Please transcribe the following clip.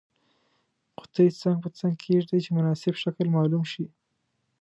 قطي څنګ په څنګ کیږدئ چې مناسب شکل معلوم شي.